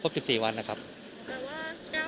พบสิบสี่วันนะครับแต่ว่าเจ้าคนนี้ไม่ได้มีผลเป็นห่วง